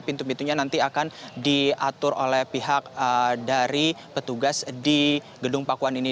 pintu pintunya nanti akan diatur oleh pihak dari petugas di gedung pakuan ini